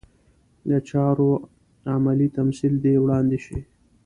د چارو عملي تمثیل دې وړاندې شي.